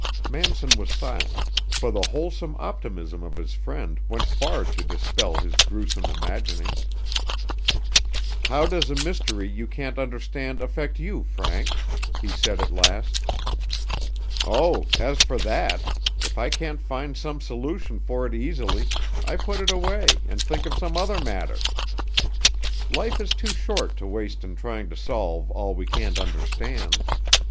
Manson was silent, for the wholesome optimism of his friend went far to dispel his grewsome imaginings. "How does a mystery you can't understand affect you, Frank?" he said at last. "Oh, as for that, if I can't find some solution for it easily I put it away and think of some other matter. Life is too short to waste in trying to solve all we can't understand.